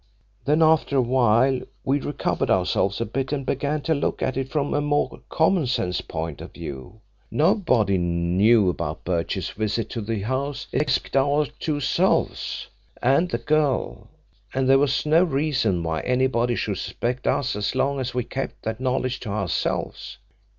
Then, after a while, we recovered ourselves a bit and began to look at it from a more common sense point of view. Nobody knew about Birchill's visit to the house except our two selves and the girl, and there was no reason why anybody should suspect us as long as we kept that knowledge to ourselves.